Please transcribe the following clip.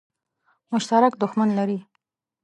مشترک دښمن لري.